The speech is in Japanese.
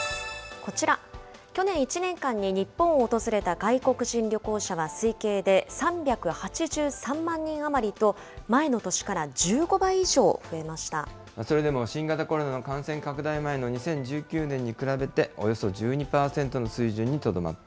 こちら、去年１年間に日本を訪れた外国人旅行者は推計で３８３万人余りと、それでも新型コロナの感染拡大前の２０１９年に比べて、およそ１２％の水準にとどまって